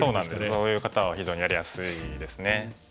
そういう方は非常にやりやすいですね。